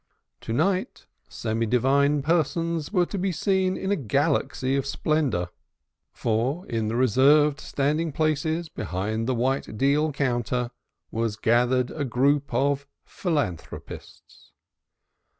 To night, semi divine persons were to be seen in a galaxy of splendor, for in the reserved standing places, behind the white deal counter, was gathered a group of philanthropists.